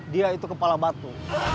dia itu kepala batu